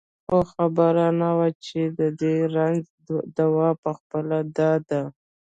خو خبره نه وه چې د دې رنځ دوا پخپله دا ده.